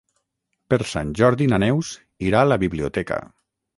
Per Sant Jordi na Neus irà a la biblioteca.